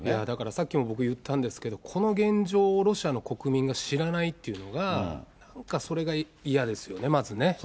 だから、さっきも僕、言ったんですけど、この現状をロシアの国民が知らないっていうのが、なんかそれが嫌ですよね、まずね。